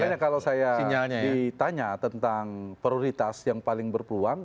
makanya kalau saya ditanya tentang prioritas yang paling berpeluang